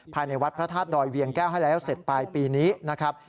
ภายในวัดพระธาตุดอยเวียงแก้วให้แล้วเสร็จปลายปีนี้นะครับ